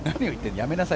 やめなさい。